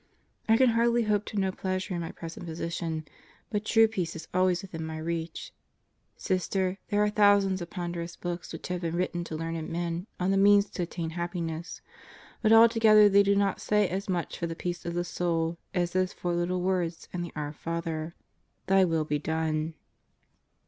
I can hardly hope to know pleasure in my present position, but true peace is always within my reach. Sister, there are thousands of ponderous books which have been written by learned men on the means to attain happiness, but all together they do not say as much for the peace of the soul as those four little words in the Our Father, "Thy wfll be done."